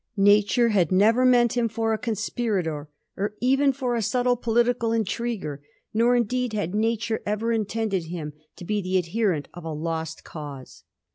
Nature had never meant him for a conspirator, or even for a subtle political intriguer; nor, indeed, had Nature ever intended him to be the adherent of a lost cause.